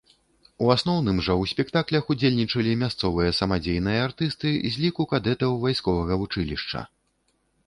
У асноўным жа ў спектаклях ўдзельнічалі мясцовыя самадзейныя артысты з ліку кадэтаў вайсковага вучылішча.